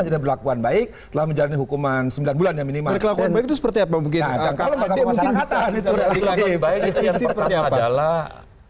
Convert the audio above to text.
yang paling gampang adalah